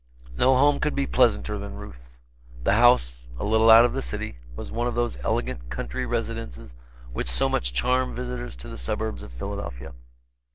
No home could be pleasanter than Ruth's. The house, a little out of the city; was one of those elegant country residences which so much charm visitors to the suburbs of Philadelphia.